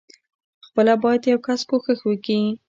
خپله بايد يو کس کوښښ وکي.